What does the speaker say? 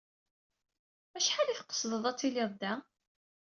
Acḥal i tqesdeḍ ad tiliḍ da?